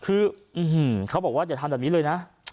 คือเขาบอกว่าอย่าทำแบบนี้เลยนะ